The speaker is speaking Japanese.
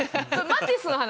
マティスの話。